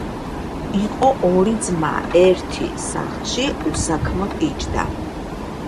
იყო ორი ძმა. ერთი სახლში უსაქმოდ იჯდა.